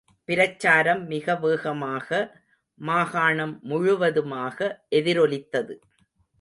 பிரச்சாரம் மிக வேகமாக மாகாணம் முழுவதுமாக எதிரொலித்தது.